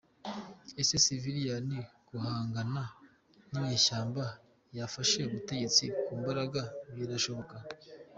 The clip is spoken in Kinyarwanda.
Ese Civiliani guhangana n’inyeshyamba yafashe ubutegetsi ku mbaraga, birashoboka?